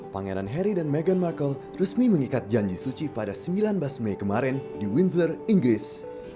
pangeran harry dan meghan markle resmi mengikat janji suci pada sembilan belas mei kemarin di windsor inggris